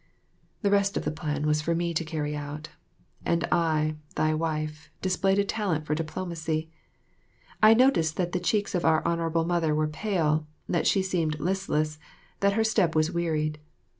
The rest of the plan was for me to carry out; and I, thy wife, displayed a talent for diplomacy. I noticed that the cheeks of our Honourable Mother were pale, that she seemed listless, that her step was wearied.